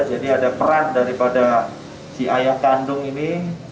jadi ada peran daripada si ayah kandung ini